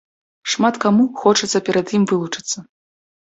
Шмат каму хочацца перад ім вылучыцца.